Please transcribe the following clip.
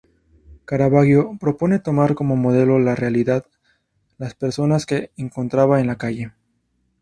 Caravaggio propone tomar como modelo la realidad, las personas que encontraba en la calle.